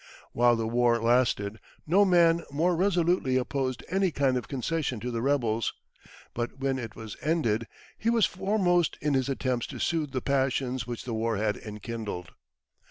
While the war lasted, no man more resolutely opposed any kind of concession to the rebels; but when it was ended, he was foremost in his attempts to soothe the passions which the war had enkindled.